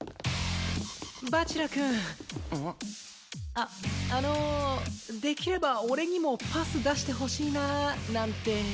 ああのできれば俺にもパス出してほしいななんて。